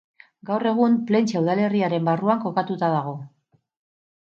Gaur egun Plentzia udalerriaren barruan kokatuta dago.